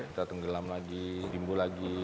kita tenggelam lagi rimbu lagi